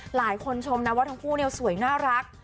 คุณผู้ชมชมนะว่าทั้งคู่เนี่ยสวยน่ารัก